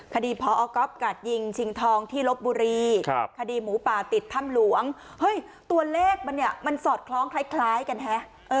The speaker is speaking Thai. พอก๊อฟกัดยิงชิงทองที่ลบบุรีคดีหมูป่าติดถ้ำหลวงเฮ้ยตัวเลขมันเนี่ยมันสอดคล้องคล้ายกันฮะ